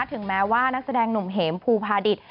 ถึงแม้ว่านักแสดงหนุ่มเหมภูพาดิต